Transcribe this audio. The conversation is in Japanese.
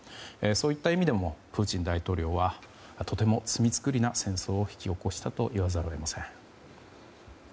そういった意味でもプーチン大統領はとても罪作りな戦争を引き起こしたと言わざるを得ません。